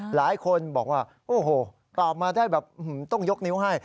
หลายคนบอกว่าโอ้โหตอบมาได้แบบต้องยกนิ้วให้